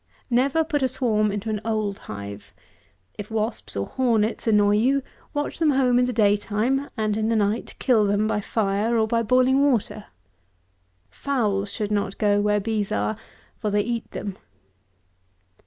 Never put a swarm into an old hive. If wasps, or hornets, annoy you, watch them home in the day time; and in the night kill them by fire, or by boiling water. Fowls should not go where bees are, for they eat them.